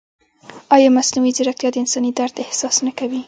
ایا مصنوعي ځیرکتیا د انساني درد احساس نه کوي؟